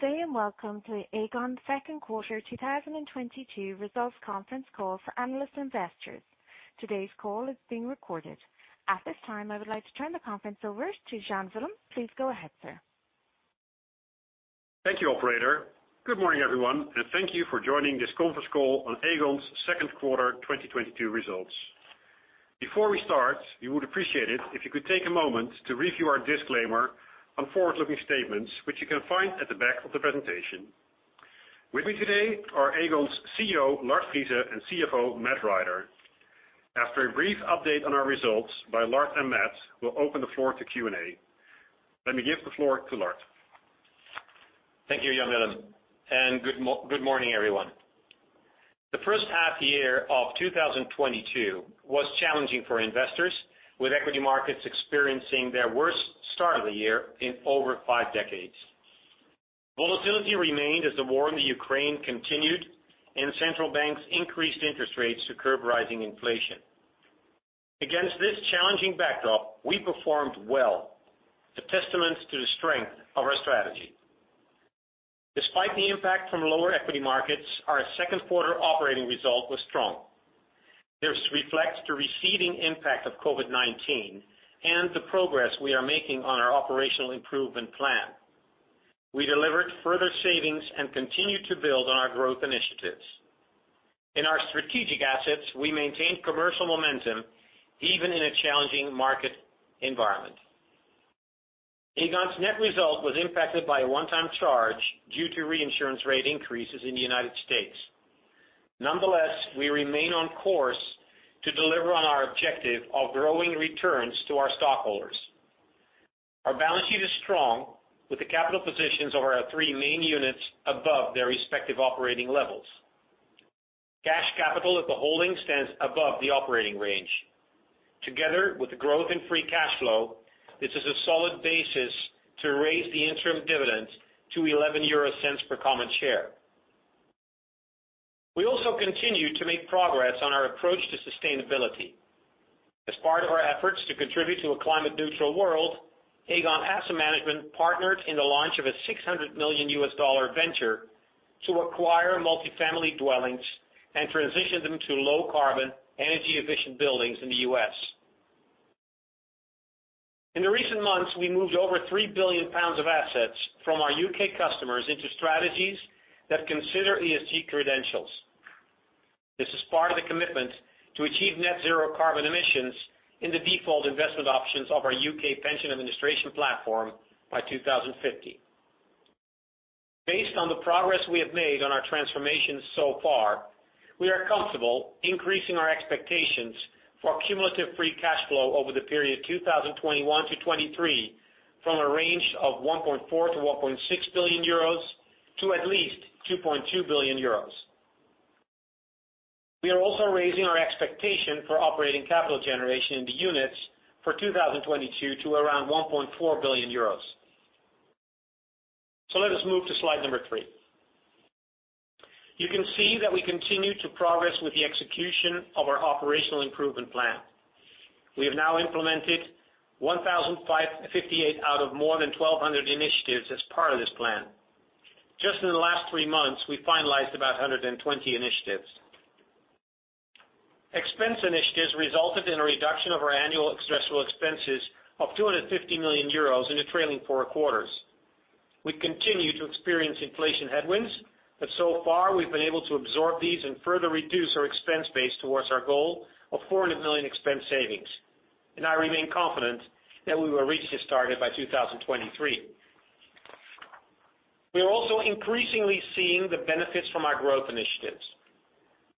Good day and welcome to Aegon's second quarter 2022 results conference call for analyst investors. Today's call is being recorded. At this time, I would like to turn the conference over to Jan Willem. Please go ahead, sir. Thank you, operator. Good morning, everyone. Thank you for joining this conference call on Aegon's second quarter 2022 results. Before we start, we would appreciate it if you could take a moment to review our disclaimer on forward-looking statements, which you can find at the back of the presentation. With me today are Aegon's CEO, Lard Friese, and CFO, Matt Rider. After a brief update on our results by Lard and Matt, we'll open the floor to Q&A. Let me give the floor to Lard. Thank you, Jan Willem, and good morning, everyone. The first half year of 2022 was challenging for investors, with equity markets experiencing their worst start of the year in over five decades. Volatility remained as the war in Ukraine continued and central banks increased interest rates to curb rising inflation. Against this challenging backdrop, we performed well, a testament to the strength of our strategy. Despite the impact from lower equity markets, our second quarter operating result was strong. This reflects the receding impact of COVID-19 and the progress we are making on our operational improvement plan. We delivered further savings and continued to build on our growth initiatives. In our strategic assets, we maintained commercial momentum, even in a challenging market environment. Aegon's net result was impacted by a one-time charge due to reinsurance rate increases in the United States. Nonetheless, we remain on course to deliver on our objective of growing returns to our stockholders. Our balance sheet is strong, with the capital positions of our three main units above their respective operating levels. Cash capital at the holding stands above the operating range. Together with the growth in free cash flow, this is a solid basis to raise the interim dividends to 0.11 per common share. We also continue to make progress on our approach to sustainability. As part of our efforts to contribute to a climate neutral world, Aegon Asset Management partnered in the launch of a $600 million venture to acquire multifamily dwellings and transition them to low carbon, energy efficient buildings in the U.S. In the recent months, we moved over 3 billion pounds of assets from our U.K. customers into strategies that consider ESG credentials. This is part of the commitment to achieve net zero carbon emissions in the default investment options of our U.K. pension administration platform by 2050. Based on the progress we have made on our transformation so far, we are comfortable increasing our expectations for cumulative free cash flow over the period 2021-2023 from a range of 1.4 billion-1.6 billion euros to at least 2.2 billion euros. We are also raising our expectation for operating capital generation in the units for 2022 to around 1.4 billion euros. Let us move to slide three. You can see that we continue to progress with the execution of our operational improvement plan. We have now implemented 1,558 out of more than 1,200 initiatives as part of this plan. Just in the last three months, we finalized about 120 initiatives. Expense initiatives resulted in a reduction of our annual expressible expenses of 250 million euros in the trailing four quarters. We continue to experience inflation headwinds, but so far we've been able to absorb these and further reduce our expense base towards our goal of 400 million expense savings. I remain confident that we will reach this target by 2023. We are also increasingly seeing the benefits from our growth initiatives.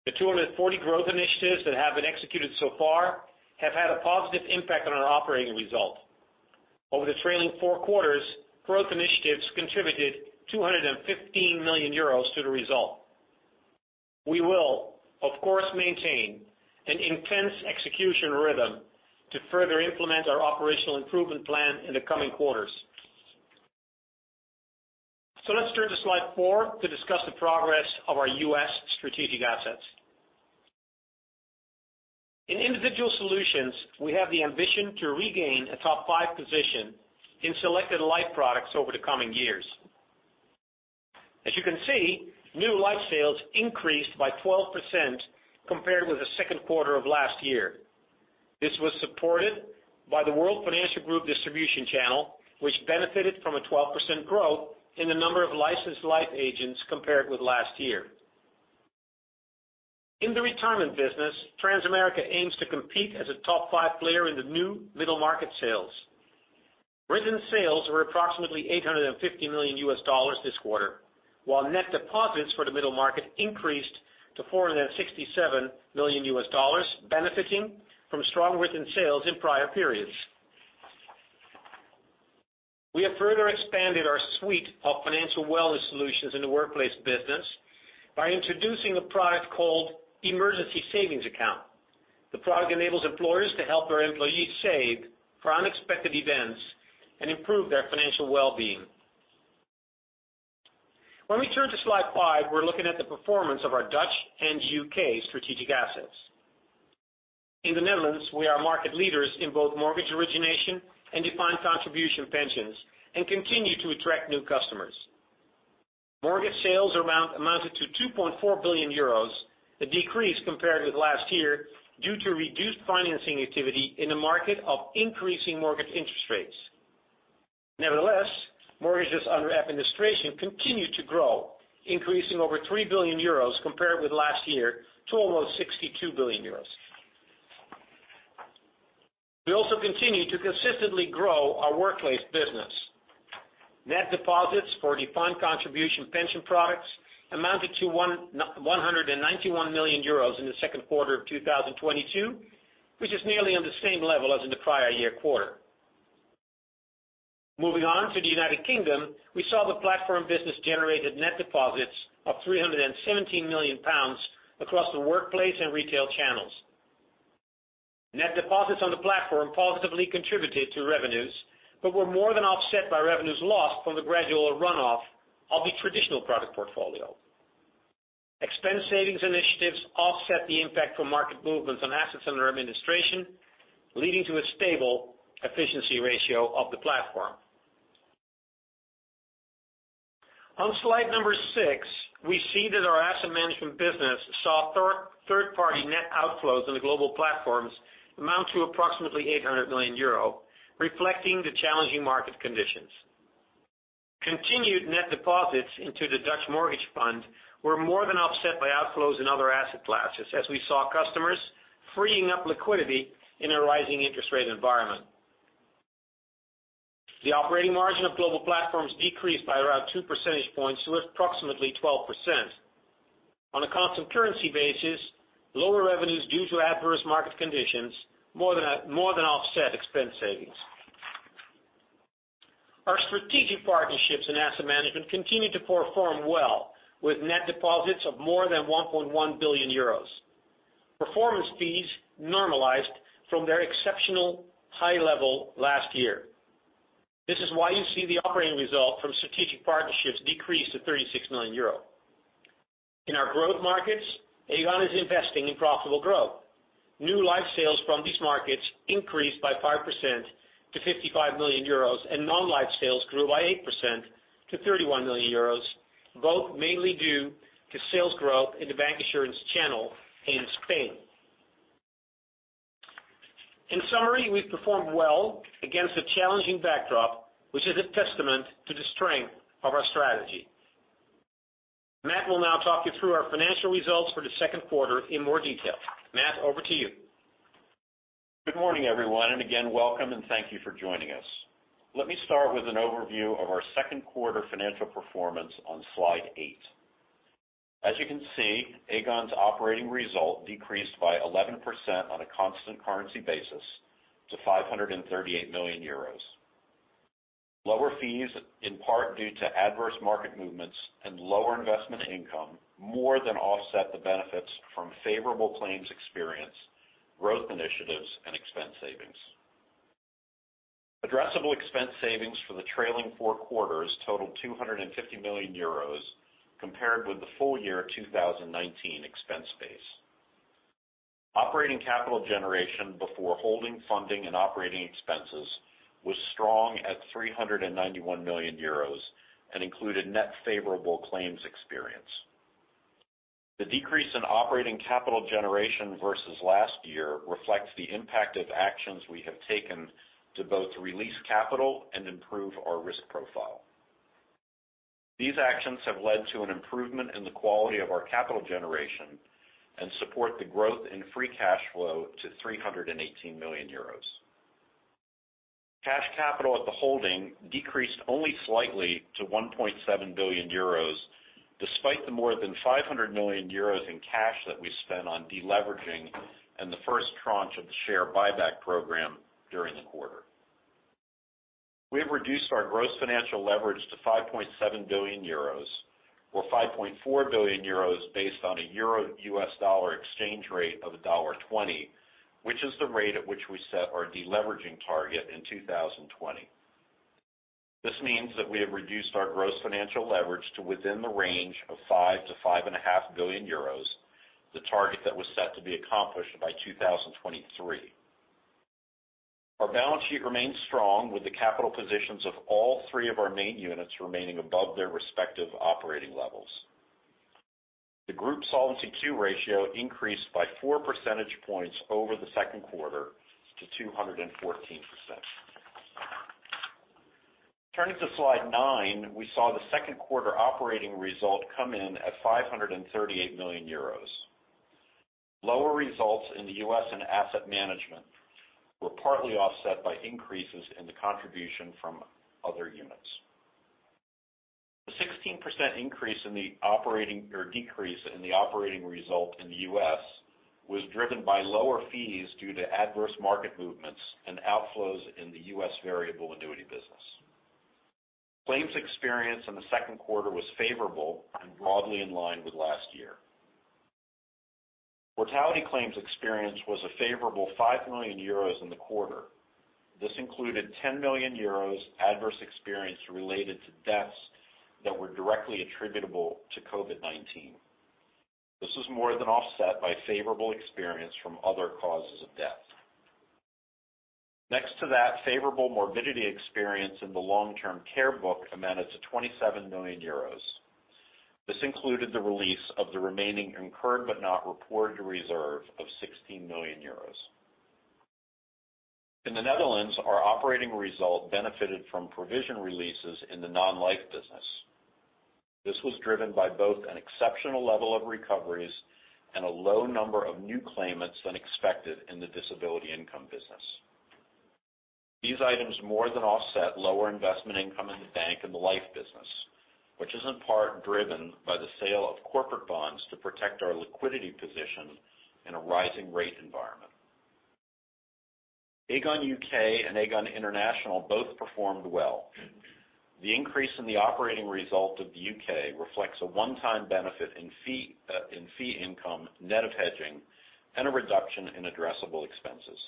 The 240 growth initiatives that have been executed so far have had a positive impact on our operating result. Over the trailing four quarters, growth initiatives contributed 215 million euros to the result. We will, of course, maintain an intense execution rhythm to further implement our operational improvement plan in the coming quarters. Let's turn to slide four to discuss the progress of our U.S. strategic assets. In individual solutions, we have the ambition to regain a top five position in selected life products over the coming years. As you can see, new life sales increased by 12% compared with the second quarter of last year. This was supported by the World Financial Group distribution channel, which benefited from a 12% growth in the number of licensed life agents compared with last year. In the retirement business, Transamerica aims to compete as a top five player in the new middle market sales. Written sales were approximately $850 million this quarter, while net deposits for the middle market increased to $467 million, benefiting from strong written sales in prior periods. We have further expanded our suite of financial wellness solutions in the workplace business by introducing a product called Emergency Savings Account. The product enables employers to help their employees save for unexpected events and improve their financial well-being. When we turn to slide five, we're looking at the performance of our Dutch and U.K. strategic assets. In the Netherlands, we are market leaders in both mortgage origination and defined contribution pensions, and continue to attract new customers. Mortgage sales amounted to around 2.4 billion euros, a decrease compared with last year due to reduced financing activity in the market and increasing mortgage interest rates. Nevertheless, mortgages under administration continued to grow, increasing over 3 billion euros compared with last year to almost 62 billion euros. We also continue to consistently grow our workplace business. Net deposits for defined contribution pension products amounted to 191 million euros in the second quarter of 2022, which is nearly on the same level as in the prior year quarter. Moving on to the United Kingdom, we saw the platform business generated net deposits of 317 million pounds across the workplace and retail channels. Net deposits on the platform positively contributed to revenues, but were more than offset by revenues lost from the gradual runoff of the traditional product portfolio. Expense savings initiatives offset the impact from market movements on assets under administration, leading to a stable efficiency ratio of the platform. On slide six, we see that our asset management business saw third party net outflows on the global platforms amount to approximately 800 million euro, reflecting the challenging market conditions. Continued net deposits into the Dutch Mortgage Fund were more than offset by outflows in other asset classes as we saw customers freeing up liquidity in a rising interest rate environment. The operating margin of global platforms decreased by around 2 percentage points to approximately 12%. On a constant currency basis, lower revenues due to adverse market conditions more than offset expense savings. Our strategic partnerships in asset management continued to perform well with net deposits of more than 1.1 billion euros. Performance fees normalized from their exceptional high level last year. This is why you see the operating result from strategic partnerships decrease to 36 million euro. In our growth markets, Aegon is investing in profitable growth. New life sales from these markets increased by 5% to 55 million euros, and non-life sales grew by 8% to 31 million euros, both mainly due to sales growth in the bank insurance channel in Spain. In summary, we've performed well against a challenging backdrop, which is a testament to the strength of our strategy. Matt will now talk you through our financial results for the second quarter in more detail. Matt, over to you. Good morning, everyone, and again, welcome, and thank you for joining us. Let me start with an overview of our second quarter financial performance on slide eight. As you can see, Aegon's operating result decreased by 11% on a constant currency basis to 538 million euros. Lower fees, in part due to adverse market movements and lower investment income, more than offset the benefits from favorable claims experience, growth initiatives, and expense savings. Addressable expense savings for the trailing four quarters totaled 250 million euros compared with the full year 2019 expense base. Operating capital generation before holding funding and operating expenses was strong at 391 million euros and included net favorable claims experience. The decrease in operating capital generation versus last year reflects the impact of actions we have taken to both release capital and improve our risk profile. These actions have led to an improvement in the quality of our capital generation and support the growth in free cash flow to 318 million euros. Cash capital at the holding decreased only slightly to 1.7 billion euros, despite the more than 500 million euros in cash that we spent on deleveraging and the first tranche of the share buyback program during the quarter. We have reduced our gross financial leverage to 5.7 billion euros or 5.4 billion euros based on a euro-U.S. dollar exchange rate of $1.20, which is the rate at which we set our deleveraging target in 2020. This means that we have reduced our gross financial leverage to within the range of 5 billion-5.5 billion euros, the target that was set to be accomplished by 2023. Our balance sheet remains strong with the capital positions of all three of our main units remaining above their respective operating levels. The group Solvency II ratio increased by 4 percentage points over the second quarter to 214%. Turning to slide nine, we saw the second quarter operating result come in at 538 million euros. Lower results in the U.S. and asset management were partly offset by increases in the contribution from other units. A 16% decrease in the operating result in the U.S. was driven by lower fees due to adverse market movements and outflows in the U.S. variable annuity business. Claims experience in the second quarter was favorable and broadly in line with last year. Mortality claims experience was a favorable 5 million euros in the quarter. This included 10 million euros adverse experience related to deaths that were directly attributable to COVID-19. This is more than offset by favorable experience from other causes of death. Next to that, favorable morbidity experience in the long-term care book amounted to 27 million euros. This included the release of the remaining incurred, but not reported reserve of 16 million euros. In the Netherlands, our operating result benefited from provision releases in the non-life business. This was driven by both an exceptional level of recoveries and a low number of new claimants than expected in the disability income business. These items more than offset lower investment income in the bank and the life business, which is in part driven by the sale of corporate bonds to protect our liquidity position in a rising rate environment. Aegon U.K. and Aegon International both performed well. The increase in the operating result of the U.K. reflects a one-time benefit in fee income net of hedging and a reduction in addressable expenses.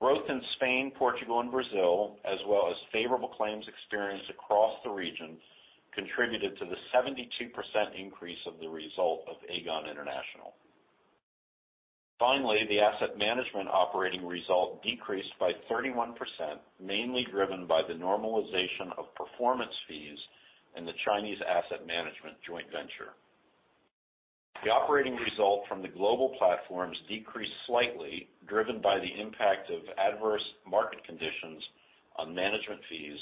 Growth in Spain, Portugal, and Brazil, as well as favorable claims experience across the region contributed to the 72% increase of the result of Aegon International. Finally, the asset management operating result decreased by 31%, mainly driven by the normalization of performance fees in the Chinese asset management joint venture. The operating result from the global platforms decreased slightly, driven by the impact of adverse market conditions on management fees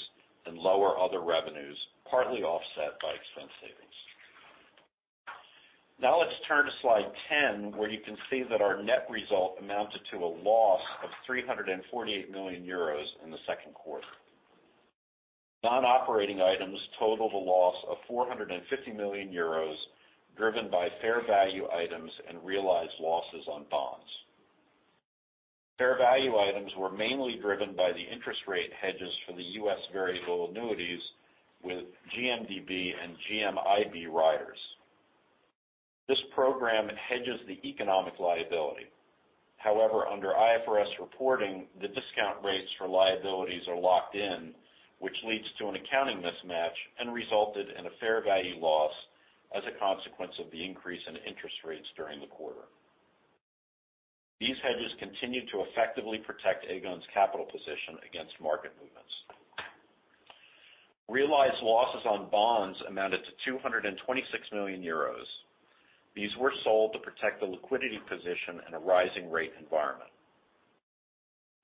and lower other revenues, partly offset by expense savings. Now let's turn to slide 10, where you can see that our net result amounted to a loss of 348 million euros in the second quarter. Non-operating items totaled a loss of 450 million euros, driven by fair value items and realized losses on bonds. Fair value items were mainly driven by the interest rate hedges for the U.S. variable annuities with GMDB and GMIB riders. This program hedges the economic liability. However, under IFRS reporting, the discount rates for liabilities are locked in, which leads to an accounting mismatch and resulted in a fair value loss as a consequence of the increase in interest rates during the quarter. These hedges continued to effectively protect Aegon's capital position against market movements. Realized losses on bonds amounted to 226 million euros. These were sold to protect the liquidity position in a rising rate environment.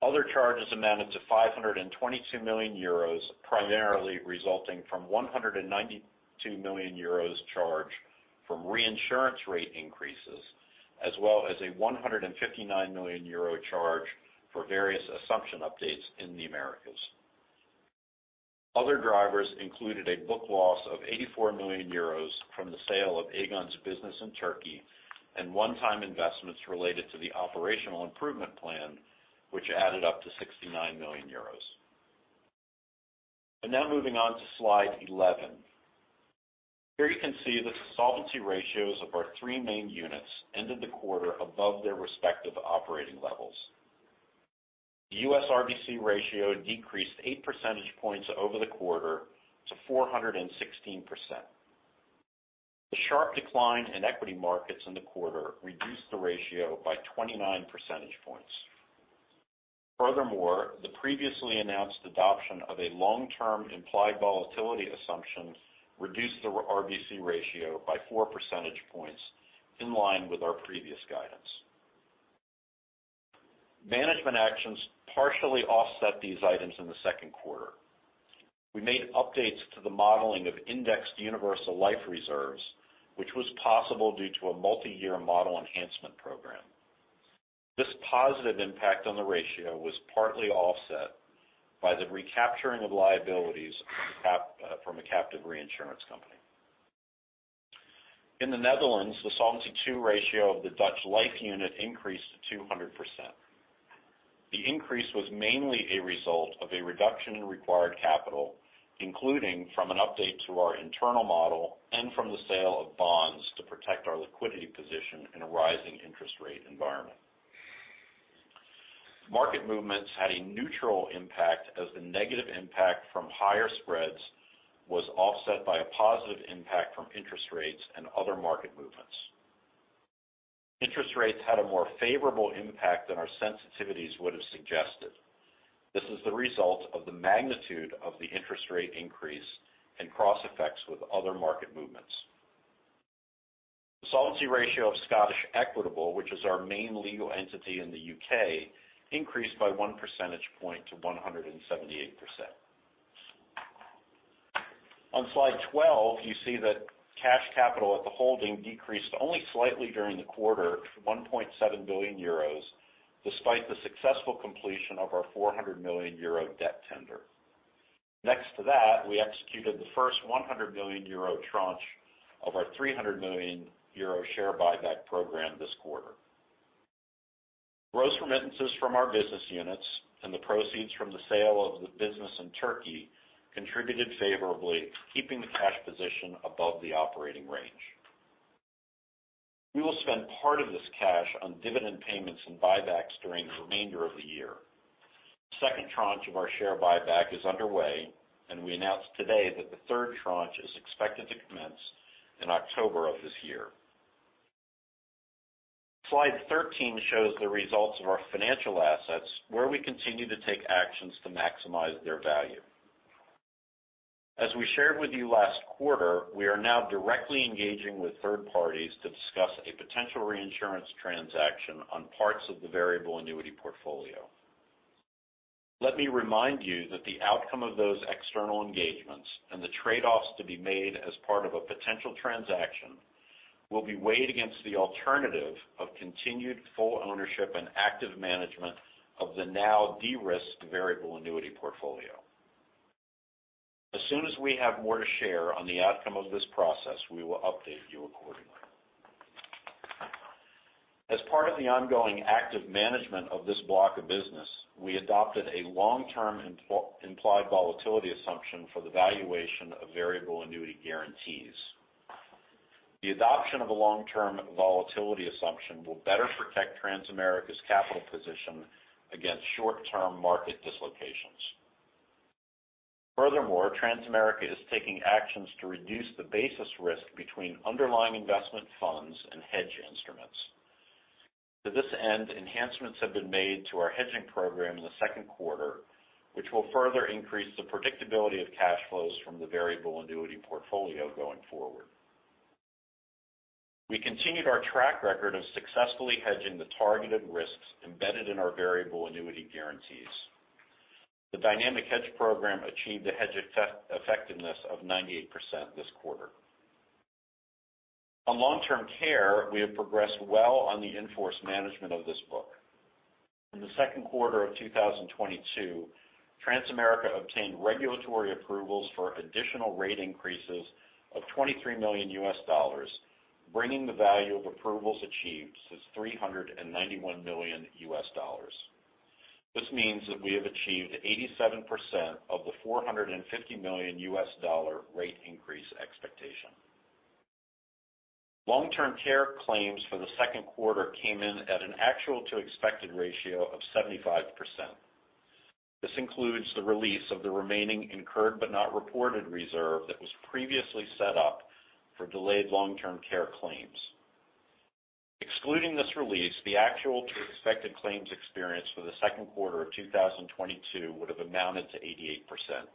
Other charges amounted to 522 million euros, primarily resulting from 192 million euros charge from reinsurance rate increases, as well as a 159 million euro charge for various assumption updates in the Americas. Other drivers included a book loss of 84 million euros from the sale of Aegon's business in Turkey, and one-time investments related to the operational improvement plan, which added up to 69 million euros. Now moving on to slide 11. Here you can see the solvency ratios of our three main units ended the quarter above their respective operating levels. U.S. RBC ratio decreased 8 percentage points over the quarter to 416%. The sharp decline in equity markets in the quarter reduced the ratio by 29 percentage points. Furthermore, the previously announced adoption of a long-term implied volatility assumption reduced the R-RBC ratio by 4 percentage points in line with our previous guidance. Management actions partially offset these items in the second quarter. We made updates to the modeling of Indexed Universal Life reserves, which was possible due to a multi-year model enhancement program. This positive impact on the ratio was partly offset by the recapturing of liabilities from cap, from a captive reinsurance company. In the Netherlands, the Solvency II ratio of the Dutch life unit increased to 200%. The increase was mainly a result of a reduction in required capital, including from an update to our internal model and from the sale of bonds to protect our liquidity position in a rising interest rate environment. Market movements had a neutral impact as the negative impact from higher spreads was offset by a positive impact from interest rates and other market movements. Interest rates had a more favorable impact than our sensitivities would have suggested. This is the result of the magnitude of the interest rate increase and cross effects with other market movements. The solvency ratio of Scottish Equitable, which is our main legal entity in the U.K., increased by 1 percentage point to 178%. On slide 12, you see that cash capital at the holding decreased only slightly during the quarter to 1.7 billion euros, despite the successful completion of our 400 million euro debt tender. Next to that, we executed the first 100 million euro tranche of our 300 million euro share buyback program this quarter. Gross remittances from our business units and the proceeds from the sale of the business in Turkey contributed favorably, keeping the cash position above the operating range. We will spend part of this cash on dividend payments and buybacks during the remainder of the year. The second tranche of our share buyback is underway, and we announced today that the third tranche is expected to commence in October of this year. Slide 13 shows the results of our financial assets, where we continue to take actions to maximize their value. As we shared with you last quarter, we are now directly engaging with third parties to discuss a potential reinsurance transaction on parts of the variable annuity portfolio. Let me remind you that the outcome of those external engagements and the trade-offs to be made as part of a potential transaction will be weighed against the alternative of continued full ownership and active management of the now de-risked variable annuity portfolio. As soon as we have more to share on the outcome of this process, we will update you accordingly. As part of the ongoing active management of this block of business, we adopted a long-term implied volatility assumption for the valuation of variable annuity guarantees. The adoption of a long-term volatility assumption will better protect Transamerica's capital position against short-term market dislocations. Furthermore, Transamerica is taking actions to reduce the basis risk between underlying investment funds and hedge instruments. To this end, enhancements have been made to our hedging program in the second quarter, which will further increase the predictability of cash flows from the Variable Annuity portfolio going forward. We continued our track record of successfully hedging the targeted risks embedded in our Variable Annuity guarantees. The dynamic hedge program achieved a hedge effectiveness of 98% this quarter. On Long-Term Care, we have progressed well on the in-force management of this book. In the second quarter of 2022, Transamerica obtained regulatory approvals for additional rate increases of $23 million, bringing the value of approvals achieved to $391 million. This means that we have achieved 87% of the $450 million rate increase expectation. Long-term care claims for the second quarter came in at an actual to expected ratio of 75%. This includes the release of the remaining incurred but not reported reserve that was previously set up for delayed long-term care claims. Excluding this release, the actual to expected claims experience for the second quarter of 2022 would have amounted to 88%.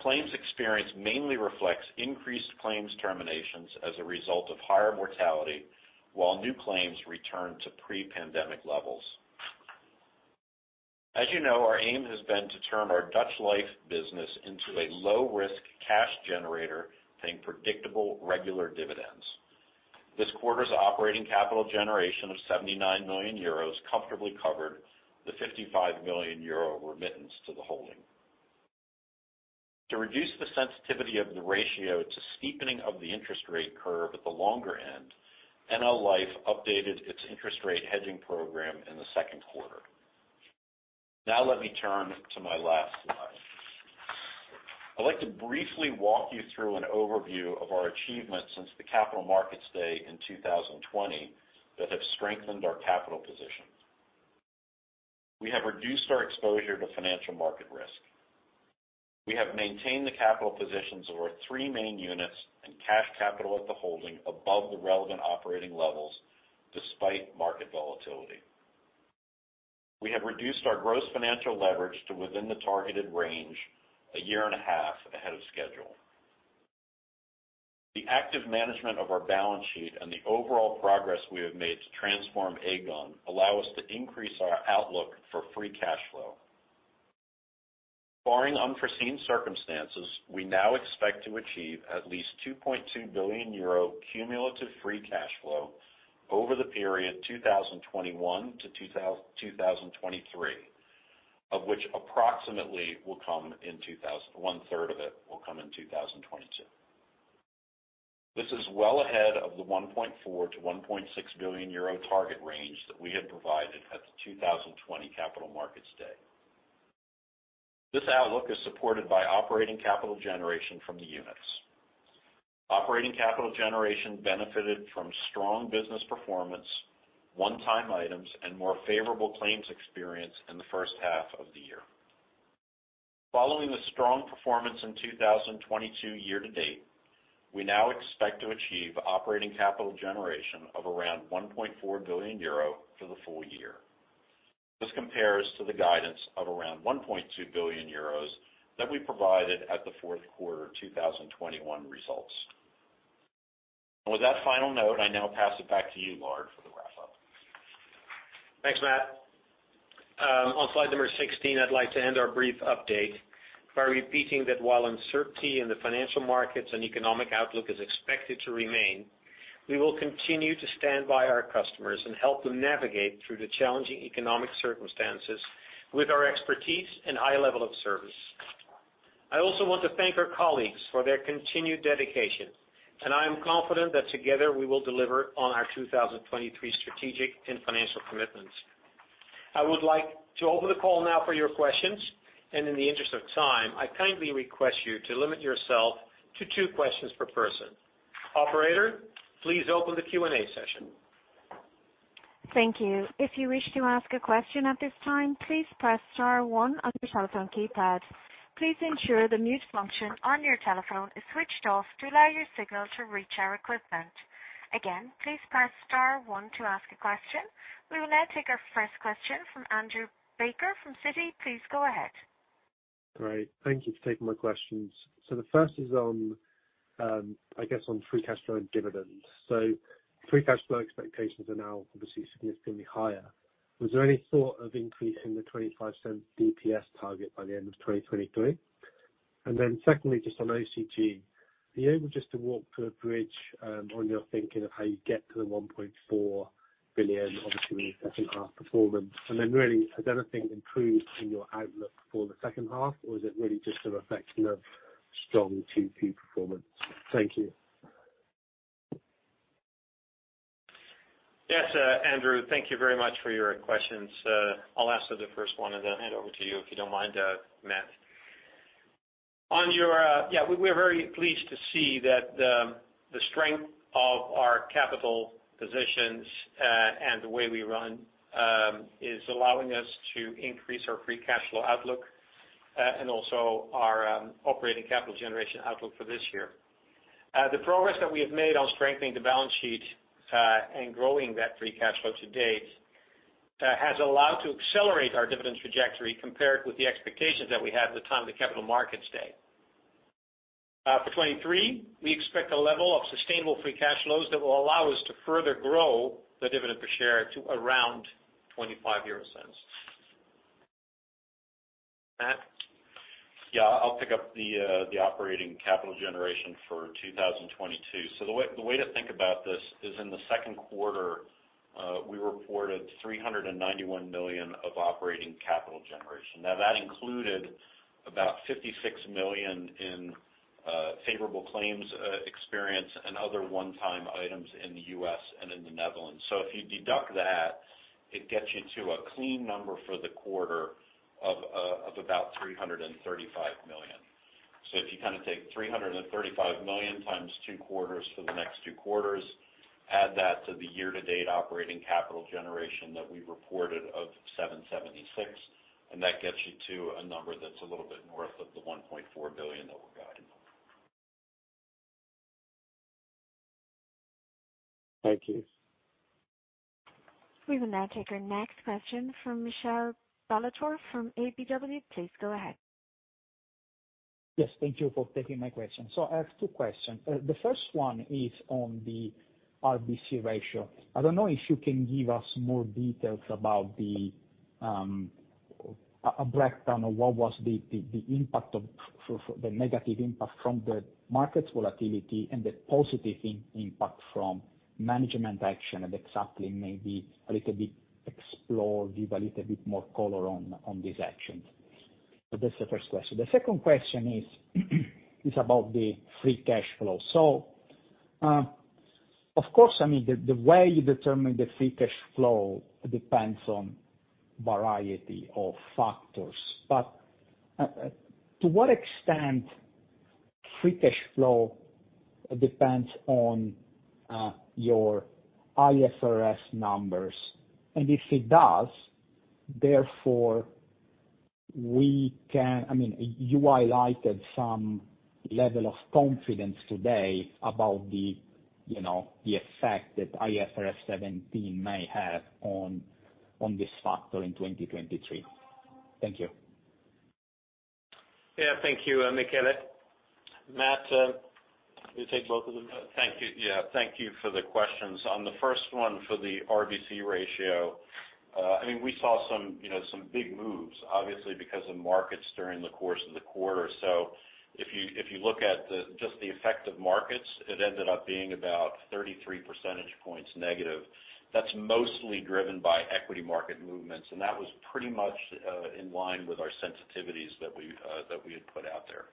Claims experience mainly reflects increased claims terminations as a result of higher mortality, while new claims return to pre-pandemic levels. As you know, our aim has been to turn our Dutch life business into a low-risk cash generator, paying predictable regular dividends. This quarter's operating capital generation of 79 million euros comfortably covered the 55 million euro remittance to the holding. To reduce the sensitivity of the ratio to steepening of the interest rate curve at the longer end, NL Life updated its interest rate hedging program in the second quarter. Now let me turn to my last slide. I'd like to briefly walk you through an overview of our achievements since the Capital Markets Day in 2020 that have strengthened our capital position. We have reduced our exposure to financial market risk. We have maintained the capital positions of our three main units and cash capital at the holding above the relevant operating levels despite market volatility. We have reduced our gross financial leverage to within the targeted range a year and a half ahead of schedule. The active management of our balance sheet and the overall progress we have made to transform Aegon allow us to increase our outlook for free cash flow. Barring unforeseen circumstances, we now expect to achieve at least 2.2 billion euro cumulative free cash flow over the period 2021 to 2023, of which approximately will come in. One-third of it will come in 2022. This is well ahead of the 1.4 billion-1.6 billion euro target range that we had provided at the 2020 Capital Markets Day. This outlook is supported by operating capital generation from the units. Operating capital generation benefited from strong business performance, one-time items, and more favorable claims experience in the first half of the year. Following the strong performance in 2022 year-to-date, we now expect to achieve operating capital generation of around 1.4 billion euro for the full year. This compares to the guidance of around 1.2 billion euros that we provided at the fourth quarter 2021 results. With that final note, I now pass it back to you, Lard, for the wrap-up. Thanks, Matt. On slide number 16, I'd like to end our brief update by repeating that while uncertainty in the financial markets and economic outlook is expected to remain, we will continue to stand by our customers and help them navigate through the challenging economic circumstances with our expertise and high level of service. I also want to thank our colleagues for their continued dedication, and I am confident that together, we will deliver on our 2023 strategic and financial commitments. I would like to open the call now for your questions, and in the interest of time, I kindly request you to limit yourself to two questions per person. Operator, please open the Q&A session. Thank you. If you wish to ask a question at this time, please press star one on your telephone keypad. Please ensure the mute function on your telephone is switched off to allow your signal to reach our equipment. Again, please press star one to ask a question. We will now take our first question from Andrew Baker from Citi. Please go ahead. Great. Thank you for taking my questions. The first is on, I guess, on free cash flow and dividends. Free cash flow expectations are now obviously significantly higher. Was there any thought of increasing the 0.25 DPS target by the end of 2023? Secondly, just on OCG, be able just to walk through a bridge on your thinking of how you get to the 1.4 billion, obviously second half performance. Really, has anything improved in your outlook for the second half or is it really just a reflection of strong 2P performance? Thank you. Yes. Andrew, thank you very much for your questions. I'll answer the first one and then hand over to you if you don't mind, Matt. Yeah, we're very pleased to see that the strength of our capital positions and the way we run is allowing us to increase our free cash flow outlook and also our operating capital generation outlook for this year. The progress that we have made on strengthening the balance sheet and growing that free cash flow to date has allowed to accelerate our dividend trajectory compared with the expectations that we had at the time of the Capital Markets Day. For 2023, we expect a level of sustainable free cash flows that will allow us to further grow the dividend per share to around 0.25. Matt. Yeah, I'll pick up the operating capital generation for 2022. The way to think about this is in the second quarter, we reported 391 million of operating capital generation. Now that included about 56 million in favorable claims experience and other one-time items in the U.S. and in the Netherlands. If you deduct that, it gets you to a clean number for the quarter of about 335 million. If you kind of take 335 million times two quarters for the next two quarters, add that to the year to date operating capital generation that we reported of 776 million, and that gets you to a number that's a little bit north of the 1.4 billion that we're guiding. Thank you. We will now take our next question from Michele Ballatore from KBW. Please go ahead. Yes, thank you for taking my question. I have two questions. The first one is on the RBC ratio. I don't know if you can give us more details about a breakdown of what was the negative impact from the market's volatility and the positive impact from management action and exactly maybe a little bit explore, give a little bit more color on these actions. That's the first question. The second question is about the free cash flow. Of course, I mean, the way you determine the free cash flow depends on variety of factors, but to what extent free cash flow depends on your IFRS numbers. If it does, therefore we can. I mean, you highlighted some level of confidence today about the, you know, the effect that IFRS 17 may have on this factor in 2023. Thank you. Yeah, thank you, Michele. Matt, you take both of them. Thank you. Yeah, thank you for the questions. On the first one for the RBC ratio, I mean, we saw some, you know, some big moves obviously because of markets during the course of the quarter. If you look at just the effect of markets, it ended up being about 33 percentage points negative. That's mostly driven by equity market movements, and that was pretty much in line with our sensitivities that we had put out there.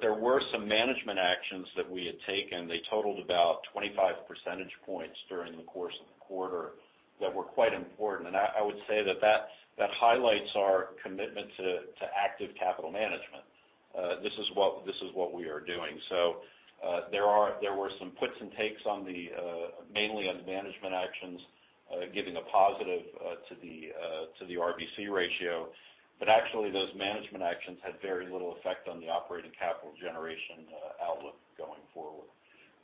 There were some management actions that we had taken. They totaled about 25 percentage points during the course of the quarter that were quite important. I would say that highlights our commitment to active capital management. This is what we are doing. There were some puts and takes mainly on the management actions giving a positive to the RBC ratio. Actually those management actions had very little effect on the operating capital generation outlook going forward.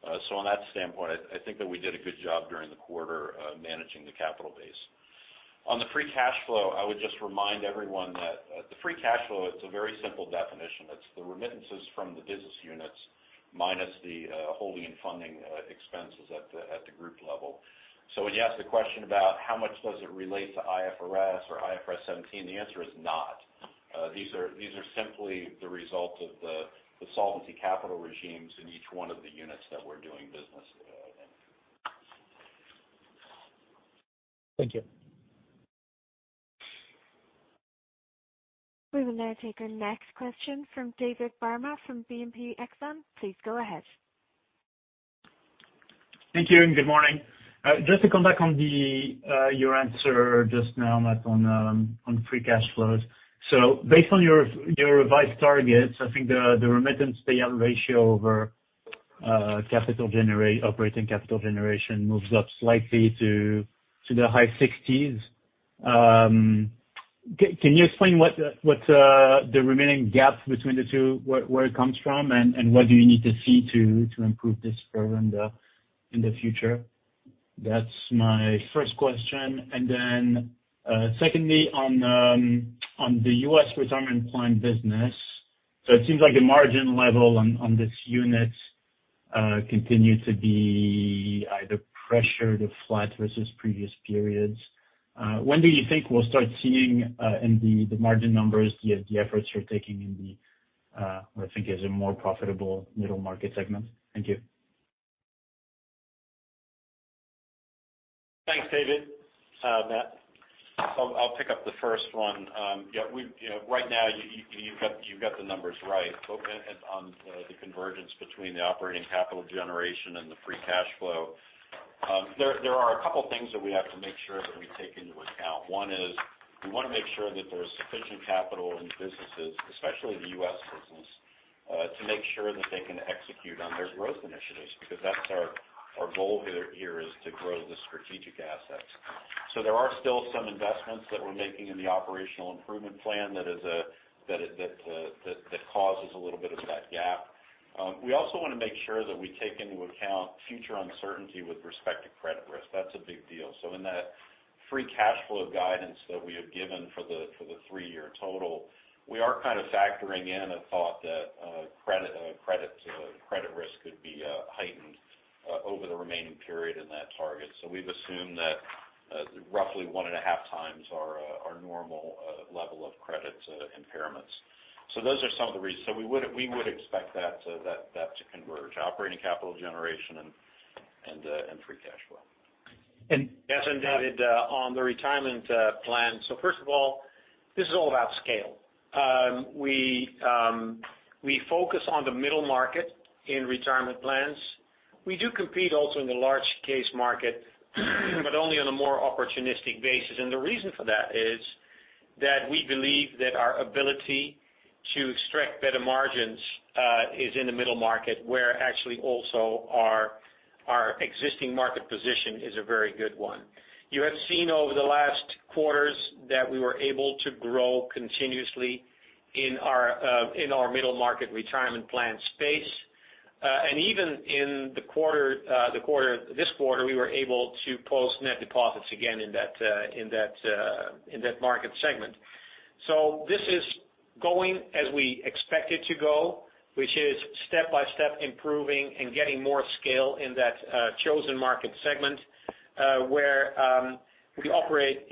On that standpoint, I think that we did a good job during the quarter managing the capital base. On the free cash flow, I would just remind everyone that the free cash flow, it's a very simple definition. It's the remittances from the business units minus the holding and funding expenses at the group level. When you ask the question about how much does it relate to IFRS or IFRS 17, the answer is not. These are simply the result of the solvency capital regimes in each one of the units that we're doing business in. Thank you. We will now take our next question from David Barma from BNP Paribas Exane. Please go ahead. Thank you and good morning. Just to come back on your answer just now, Matt, on free cash flows. Based on your revised targets, I think the remittance payout ratio over operating capital generation moves up slightly to the high 60s. Can you explain what the remaining gap between the two, where it comes from and what you need to see to improve this further in the future? That's my first question. Secondly, on the US retirement plan business. It seems like the margin level on this unit continue to be either pressured or flat versus previous periods. When do you think we'll start seeing in the margin numbers the efforts you're taking in what I think is a more profitable middle market segment? Thank you. Thanks, David. Matt I'll pick up the first one. Yeah, we, you know, right now, you've got the numbers right on the convergence between the operating capital generation and the free cash flow. There are a couple things that we have to make sure that we take into account. One is we want to make sure that there's sufficient capital in businesses, especially the U.S. business, to make sure that they can execute on their growth initiatives, because that's our goal here is to grow the strategic assets. There are still some investments that we're making in the operational improvement plan that causes a little bit of that gap. We also want to make sure that we take into account future uncertainty with respect to credit risk. That's a big deal. In that free cash flow guidance that we have given for the three-year total, we are kind of factoring in a thought that credit risk could be heightened over the remaining period in that target. We've assumed that roughly one and a half times our normal level of credit impairments. Those are some of the reasons. We would expect that to converge, operating capital generation and free cash flow. And- Yes, David, on the retirement plan. First of all, this is all about scale. We focus on the middle market in retirement plans. We do compete also in the large case market, but only on a more opportunistic basis. The reason for that is that we believe that our ability to extract better margins is in the middle market, where actually also our existing market position is a very good one. You have seen over the last quarters that we were able to grow continuously in our middle market retirement plan space. Even in this quarter, we were able to post net deposits again in that market segment. This is going as we expect it to go, which is step by step improving and getting more scale in that chosen market segment where we operate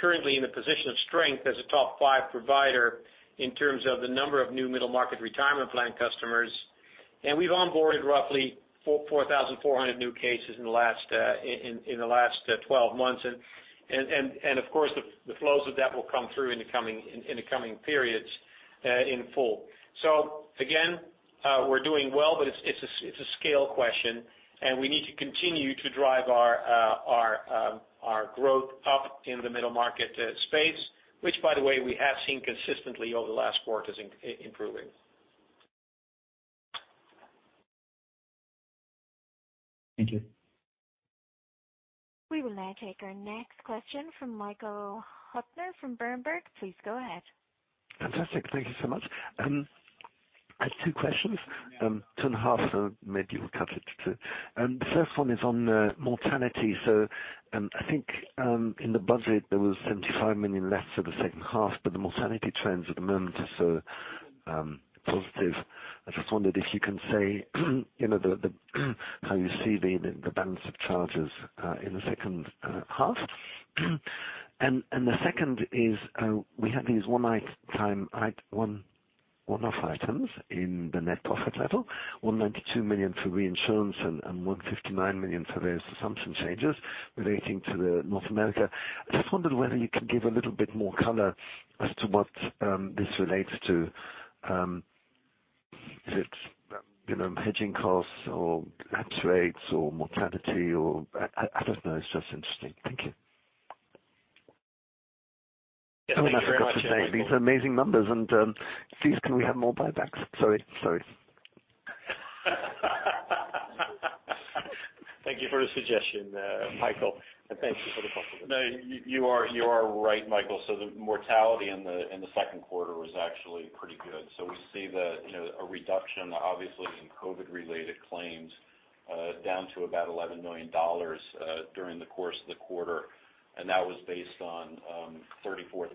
currently in a position of strength as a top five provider in terms of the number of new middle market retirement plan customers. We've onboarded roughly 4,400 new cases in the last 12 months. Of course, the flows of that will come through in the coming periods in full. We're doing well, but it's a scale question, and we need to continue to drive our growth up in the middle market space, which, by the way, we have seen consistently over the last quarters improving. Thank you. We will now take our next question from Michael Huttner from Berenberg. Please go ahead. Fantastic. Thank you so much. I have two questions. Two and a half, so maybe you'll cut it to two. The first one is on mortality. I think in the budget, there was 75 million left for the second half, but the mortality trends at the moment are so positive. I just wondered if you can say, you know, how you see the balance of charges in the second half. The second is, we have these one-off items in the net profit title, $192 million for reinsurance and $159 million for various assumption changes relating to North America. I just wondered whether you can give a little bit more color as to what this relates to. Is it, you know, hedging costs or rates or mortality? I don't know, it's just interesting. Thank you. Thank you very much, Michael. These are amazing numbers and please can we have more buybacks? Sorry. Thank you for the suggestion, Michael, and thank you for the compliment. No, you are right, Michael. The mortality in the second quarter was actually pretty good. We see a reduction, obviously in COVID-related claims, down to about $11 million during the course of the quarter. That was based on 34,000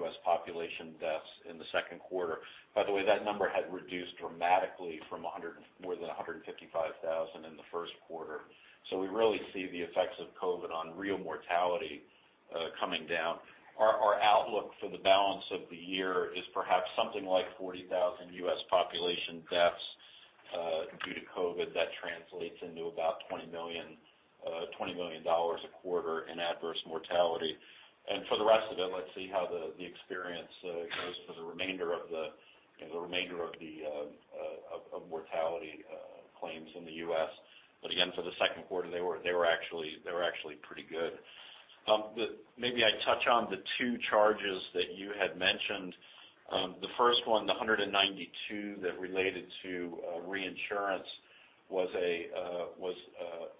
US population deaths in the second quarter. By the way, that number had reduced dramatically from more than 155,000 in the first quarter. We really see the effects of COVID on real mortality coming down. Our outlook for the balance of the year is perhaps something like 40,000 US population deaths due to COVID. That translates into about $20 million a quarter in adverse mortality. For the rest of it, let's see how the experience goes for the remainder of the, you know, mortality claims in the U.S. Again, for the second quarter, they were actually pretty good. Maybe I touch on the two charges that you had mentioned. The first one, the $192 that related to reinsurance was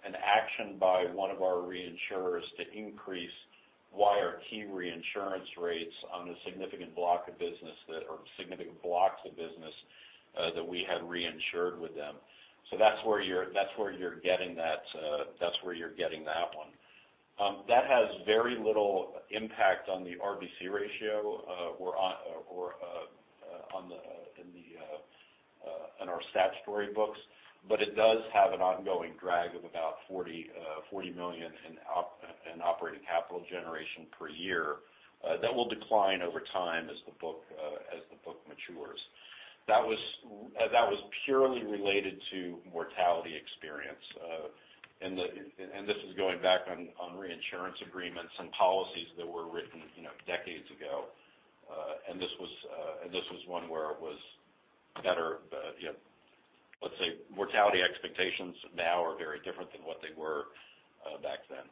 an action by one of our reinsurers to increase YRT reinsurance rates on significant blocks of business that we had reinsured with them. That's where you're getting that one. That has very little impact on the RBC ratio or on our statutory books. It does have an ongoing drag of about 40 million in operating capital generation per year. That will decline over time as the book matures. That was purely related to mortality experience. This is going back to reinsurance agreements and policies that were written, you know, decades ago. This was one where it was better. You know, let's say mortality expectations now are very different than what they were back then.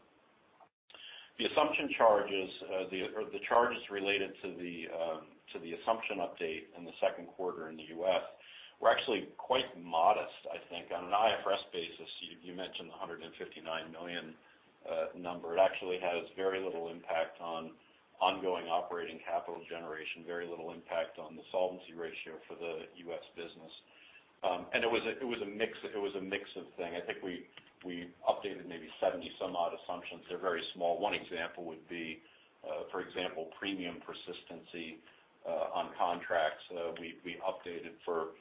The assumption charges, or the charges related to the assumption update in the second quarter in the U.S. were actually quite modest I think. On an IFRS basis, you mentioned the $159 million number. It actually has very little impact on ongoing operating capital generation, very little impact on the solvency ratio for the U.S. business. It was a mix of things. I think we updated maybe 70-some-odd assumptions. They're very small. One example would be, for example, premium persistency on contracts. We updated for,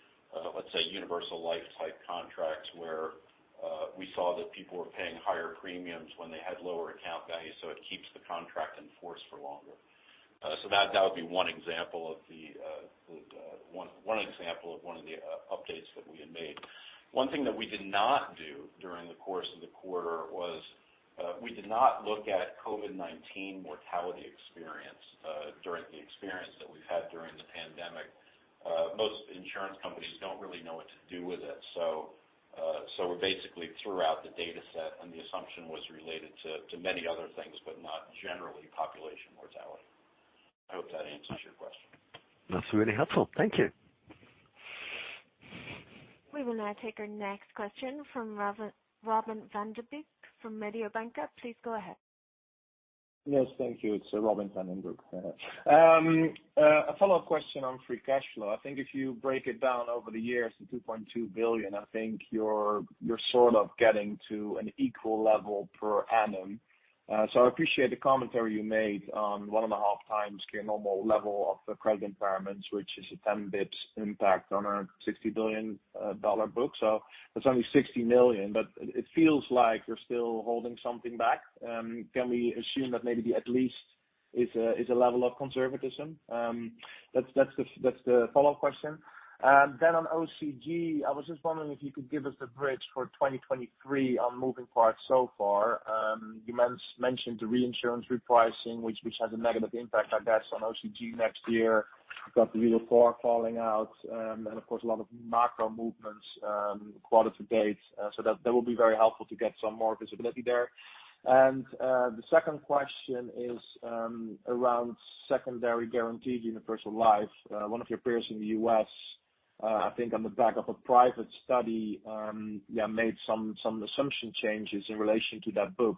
let's say, Universal Life type contracts where we saw that people were paying higher premiums when they had lower account values, so it keeps the contract in force for longer. That would be one example of the updates that we had made. One thing that we did not do during the course of the quarter was look at COVID-19 mortality experience during the experience that we've had during the pandemic. Most insurance companies don't really know what to do with it. We basically threw out the data set, and the assumption was related to many other things, but not generally population mortality. I hope that answers your question. That's really helpful. Thank you. We will now take our next question from Robin van den Broek from Mediobanca. Please go ahead. Yes, thank you. It's Robin van den Broek. A follow-up question on free cash flow. I think if you break it down over the years to 2.2 billion, I think you're sort of getting to an equal level per annum. So I appreciate the commentary you made on 1.5 times your normal level of the credit impairments, which is a 10 basis points impact on our $60 billion book. So that's only $60 million, but it feels like you're still holding something back. Can we assume that maybe at least is a level of conservatism? That's the follow-up question. On OCG, I was just wondering if you could give us a bridge for 2023 on moving parts so far. You mentioned the reinsurance repricing, which has a negative impact, I guess, on OCG next year. You've got the UFR falling out, and of course, a lot of macro movements, quarter to date. That would be very helpful to get some more visibility there. The second question is around Secondary Guarantee Universal Life. One of your peers in the U.S., I think on the back of a private study, yeah, made some assumption changes in relation to that book.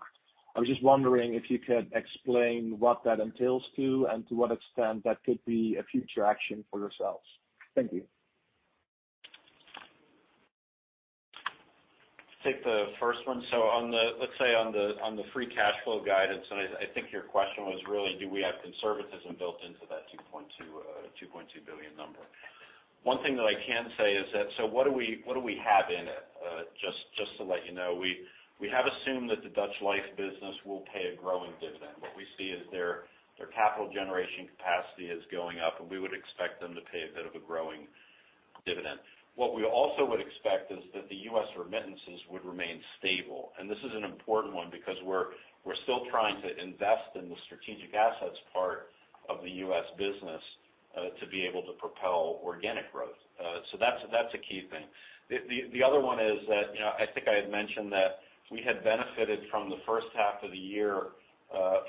I was just wondering if you could explain what that entails to and to what extent that could be a future action for yourselves. Thank you. Take the first one. On the free cash flow guidance, I think your question was really do we have conservatism built into that 2.2 billion number. One thing that I can say is that, what do we have in it? Just to let you know, we have assumed that the Dutch life business will pay a growing dividend. What we see is their capital generation capacity is going up, and we would expect them to pay a bit of a growing dividend. What we also would expect is that the U.S. remittances would remain stable. This is an important one because we're still trying to invest in the strategic assets part of the U.S. business, to be able to propel organic growth. That's a key thing. The other one is that, you know, I think I had mentioned that we had benefited from the first half of the year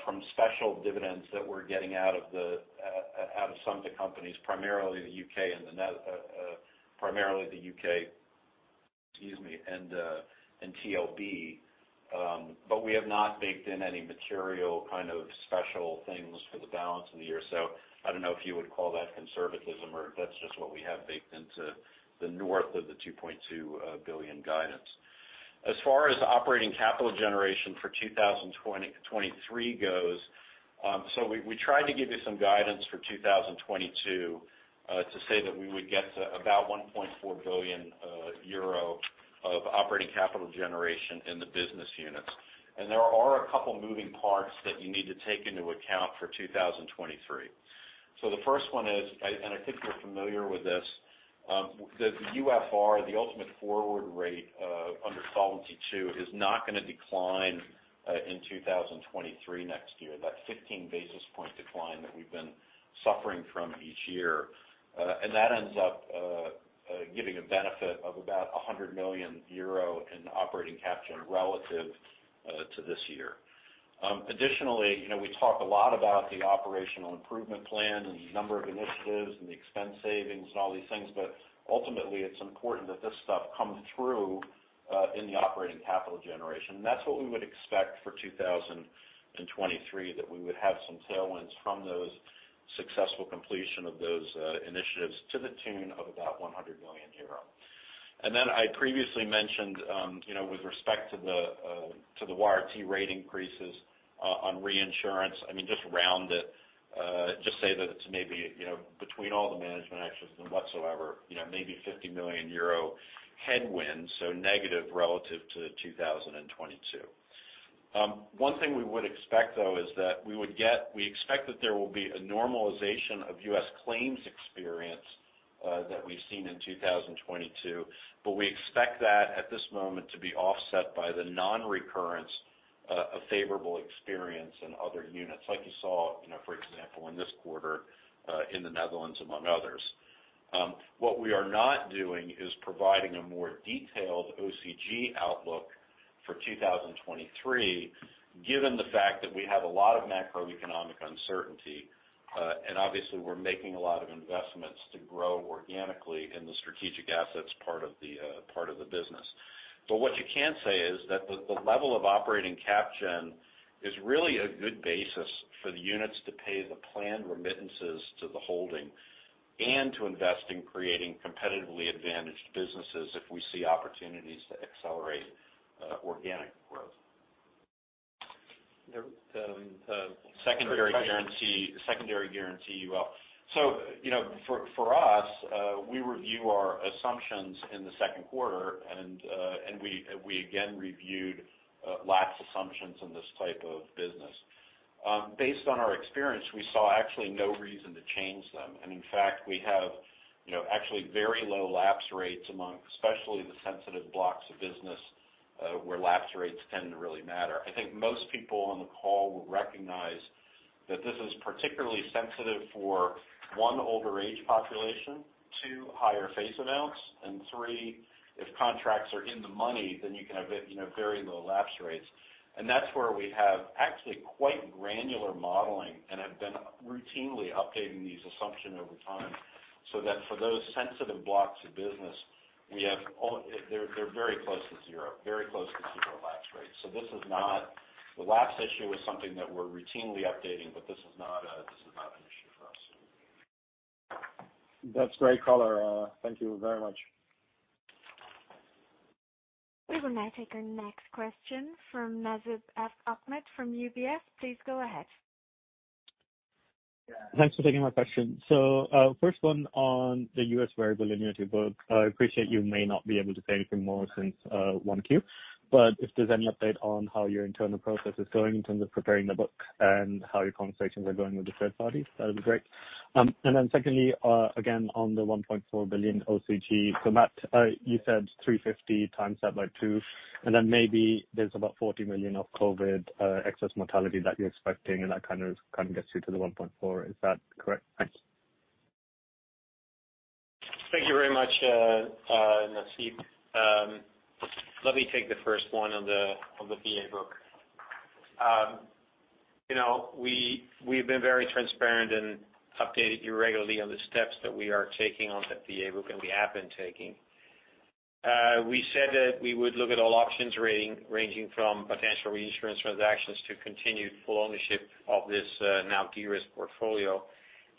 from special dividends that we're getting out of some of the companies, primarily the U.K. and TLB. But we have not baked in any material kind of special things for the balance of the year. I don't know if you would call that conservatism or if that's just what we have baked into the north of the 2.2 billion guidance. As far as operating capital generation for 2023 goes, we tried to give you some guidance for 2022, to say that we would get to about 1.4 billion euro of operating capital generation in the business units. There are a couple moving parts that you need to take into account for 2023. The first one is, and I think you're familiar with this, the UFR, the ultimate forward rate, under Solvency II is not gonna decline in 2023 next year. That 15 basis point decline that we've been suffering from each year ends up giving a benefit of about 100 million euro in operating capital relative to this year. Additionally, you know, we talk a lot about the operational improvement plan and the number of initiatives and the expense savings and all these things, but ultimately, it's important that this stuff comes through in the operating capital generation. That's what we would expect for 2023, that we would have some tailwinds from those successful completion of those initiatives to the tune of about 100 million euro. Then I previously mentioned, you know, with respect to to the YRT rate increases on reinsurance, I mean, just round it, just say that it's maybe, you know, between all the management actions and whatsoever, you know, maybe 50 million euro headwind, so negative relative to 2022. One thing we would expect, though, is that we would get. We expect that there will be a normalization of U.S. claims experience that we've seen in 2022, but we expect that at this moment to be offset by the non-recurrence of favorable experience in other units, like you saw, you know, for example, in this quarter, in the Netherlands among others. What we are not doing is providing a more detailed OCG outlook for 2023, given the fact that we have a lot of macroeconomic uncertainty, and obviously we're making a lot of investments to grow organically in the strategic assets part of the business. What you can say is that the level of operating cap gen is really a good basis for the units to pay the planned remittances to the holding and to invest in creating competitively advantaged businesses if we see opportunities to accelerate organic growth. The, the- Secondary Guarantee Universal Life. You know, for us, we review our assumptions in the second quarter and we again reviewed lapse assumptions in this type of business. Based on our experience, we saw actually no reason to change them. In fact, we have, you know, actually very low lapse rates among especially the sensitive blocks of business, where lapse rates tend to really matter. I think most people on the call will recognize that this is particularly sensitive for, one, older age population, two, higher face amounts, and three, if contracts are in the money, then you can have, you know, very low lapse rates. That's where we have actually quite granular modeling and have been routinely updating these assumptions over time, so that for those sensitive blocks of business, we have, they're very close to zero, very close to zero lapse rates. The lapse issue is something that we're routinely updating, but this is not an issue for us. That's great color. Thank you very much. We will now take our next question from Nasib F. Ahmed from UBS. Please go ahead. Thanks for taking my question. First one on the U.S. variable annuity book. I appreciate you may not be able to say anything more since 1Q, but if there's any update on how your internal process is going in terms of preparing the book and how your conversations are going with the third party, that'd be great. Secondly, again, on the 1.4 billion OCG. Matt Rider, you said 350 times that by 2, and then maybe there's about 40 million of COVID excess mortality that you're expecting, and that kind of gets you to the 1.4. Is that correct? Thanks. Thank you very much, Nasib. Let me take the first one on the VA book. You know, we've been very transparent and updated you regularly on the steps that we are taking on the VA book, and we have been taking. We said that we would look at all options ranging from potential reinsurance transactions to continued full ownership of this now de-risked portfolio.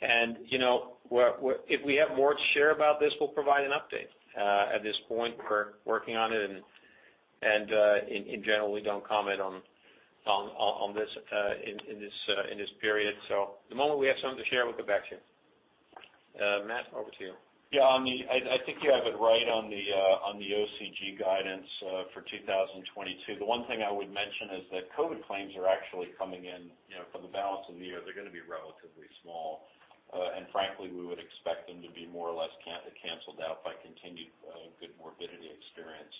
You know, if we have more to share about this, we'll provide an update. At this point, we're working on it and in general, we don't comment on this in this period. The moment we have something to share, we'll get back to you. Matt, over to you. Yeah. I mean, I think you have it right on the OCG guidance for 2022. The one thing I would mention is that COVID claims are actually coming in, you know, for the balance of the year, they're gonna be relatively small. Frankly, we would expect them to be more or less canceled out by continued good morbidity experience.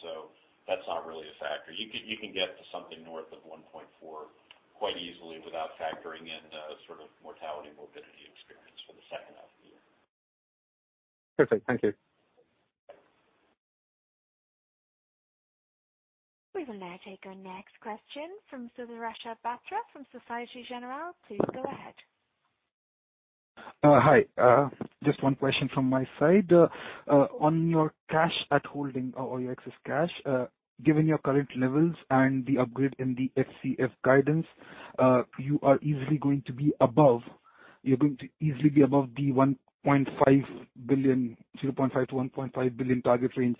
That's not really a factor. You can get to something north of 1.4 quite easily without factoring in the sort of mortality, morbidity experience for the second half of the year. Perfect. Thank you. We will now take our next question from Sudarshan Bhutra from Société Générale. Please go ahead. Hi. Just one question from my side. On your cash holdings or your excess cash, given your current levels and the upgrade in the FCF guidance, you're going to easily be above the 1.5 billion, 0.5 billion-1.5 billion target range.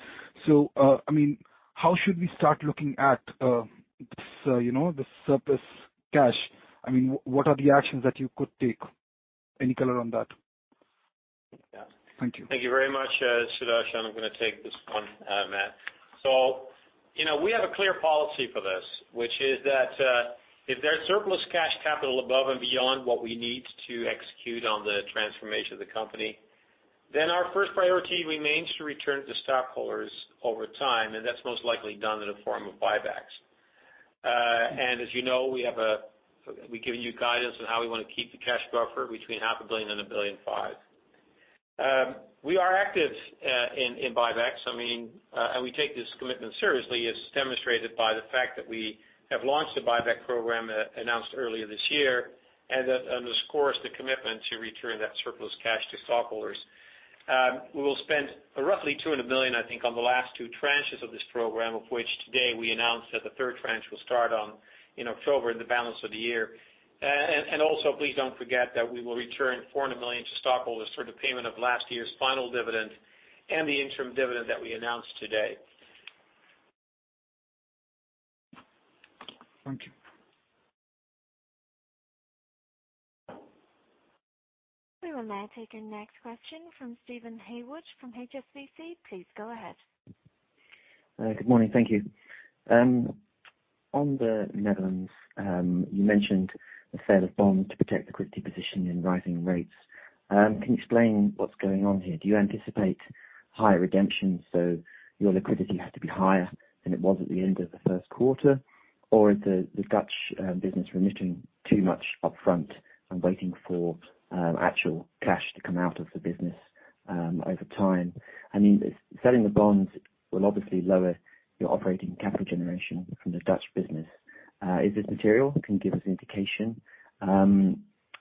I mean, how should we start looking at this, you know, the surplus cash? I mean, what are the actions that you could take? Any color on that? Yeah. Thank you. Thank you very much, Sudarshan. I'm gonna take this one, Matt. You know, we have a clear policy for this, which is that, if there's surplus cash capital above and beyond what we need to execute on the transformation of the company, then our first priority remains to return to stockholders over time, and that's most likely done in the form of buybacks. As you know, we've given you guidance on how we wanna keep the cash buffer between 500 million and 1.5 billion. We are active in buybacks. I mean, we take this commitment seriously, as demonstrated by the fact that we have launched a buyback program announced earlier this year, and that underscores the commitment to return that surplus cash to stockholders. We will spend roughly 200 million, I think, on the last two tranches of this program, of which today we announced that the third tranche will start on in October, the balance of the year. Also please don't forget that we will return 400 million to stockholders for the payment of last year's final dividend and the interim dividend that we announced today. Thank you. We will now take your next question from Steven Haywood, from HSBC. Please go ahead. Good morning. Thank you. On the Netherlands, you mentioned the sale of bonds to protect liquidity position in rising rates. Can you explain what's going on here? Do you anticipate higher redemptions, so your liquidity has to be higher than it was at the end of the first quarter? Or is the Dutch business remitting too much upfront and waiting for actual cash to come out of the business over time? I mean, selling the bonds will obviously lower your operating capital generation from the Dutch business. Is this material? Can you give us an indication?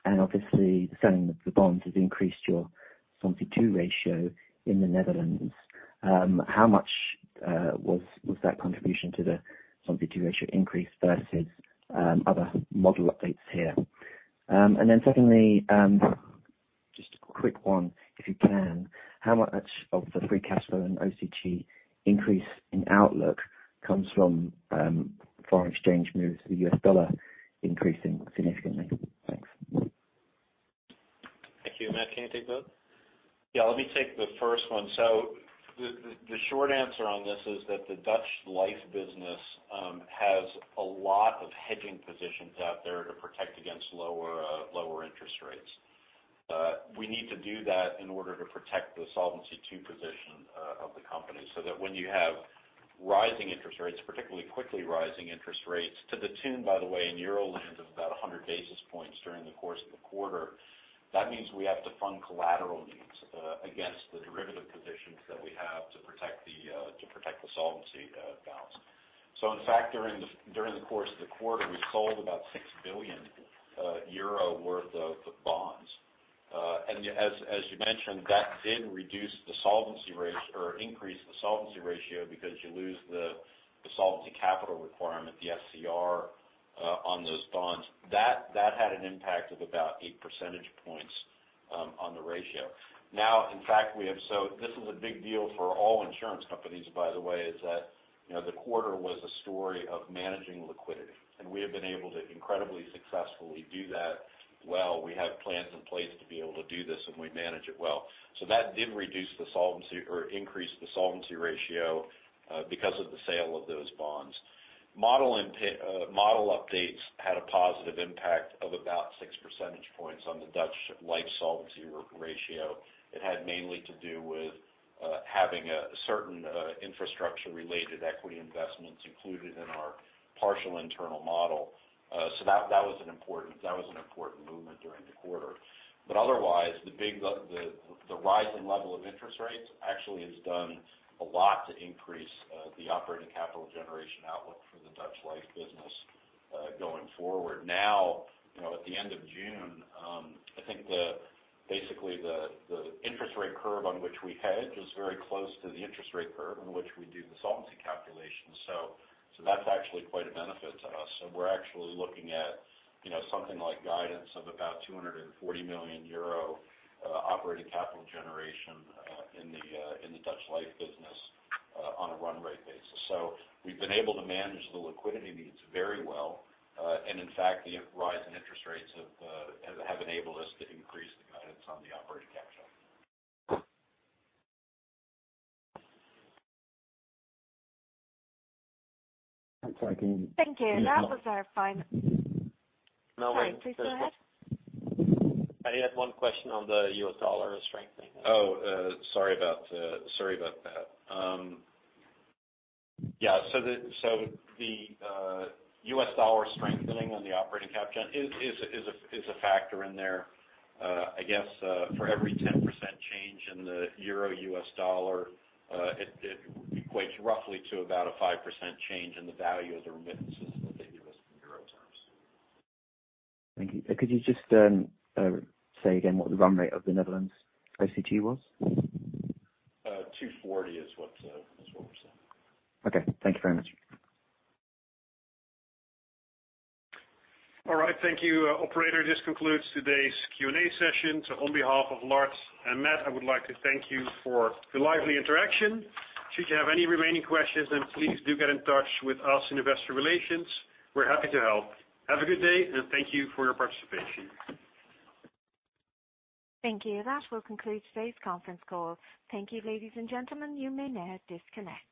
Obviously, selling the bonds has increased your Solvency II ratio in the Netherlands. How much was that contribution to the Solvency II ratio increase versus other model updates here? Secondly, just a quick one, if you can, how much of the free cash flow and OCG increase in outlook comes from, foreign exchange moves, the US dollar increasing significantly? Thanks. Thank you. Matt, can you take those? Yeah, let me take the first one. The short answer on this is that the Dutch Life business has a lot of hedging positions out there to protect against lower interest rates. We need to do that in order to protect the Solvency II position of the company, so that when you have rising interest rates, particularly quickly rising interest rates, to the tune, by the way, in Euroland of about 100 basis points during the course of the quarter, that means we have to fund collateral needs against the derivative positions that we have to protect the solvency balance. In fact, during the course of the quarter, we sold about 6 billion euro worth of bonds. As you mentioned, that did increase the solvency ratio because you lose the solvency capital requirement, the SCR, on those bonds. That had an impact of about 8 percentage points on the ratio. This is a big deal for all insurance companies, by the way, is that, you know, the quarter was a story of managing liquidity, and we have been able to incredibly successfully do that well. We have plans in place to be able to do this, and we manage it well. That did increase the solvency ratio because of the sale of those bonds. Model updates had a positive impact of about 6 percentage points on the Dutch life solvency ratio. It had mainly to do with having a certain infrastructure-related equity investments included in our partial internal model. So that was an important movement during the quarter. Otherwise, the big rising level of interest rates actually has done a lot to increase the operating capital generation outlook for the Dutch life business going forward. Now, you know, at the end of June, I think basically the interest rate curve on which we hedge is very close to the interest rate curve in which we do the solvency calculation. That's actually quite a benefit to us. We're actually looking at, you know, something like guidance of about 240 million euro operating capital generation in the Dutch life business on a run rate basis. We've been able to manage the liquidity needs very well. In fact, the rise in interest rates have enabled us to increase the guidance on the operating capital. I'm sorry. Can you- Thank you. That was our final- No, wait. Sorry. Please go ahead. I had one question on the US dollar strengthening. The US dollar strengthening on the operating capital generation is a factor in there. I guess, for every 10% change in the euro-US dollar, it equates roughly to about a 5% change in the value of the remittances that they give us in euro terms. Thank you. Could you just say again what the run rate of the Netherlands OCG was? 240 is what we're saying. Okay. Thank you very much. All right. Thank you, operator. This concludes today's Q&A session. On behalf of Lard and Matt, I would like to thank you for the lively interaction. Should you have any remaining questions, then please do get in touch with us in Investor Relations. We're happy to help. Have a good day, and thank you for your participation. Thank you. That will conclude today's conference call. Thank you, ladies and gentlemen. You may now disconnect.